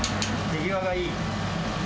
手際がいい。